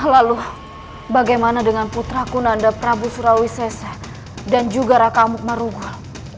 lalu bagaimana dengan putra kunanda prabu surawi sese dan juga raka amuk marugul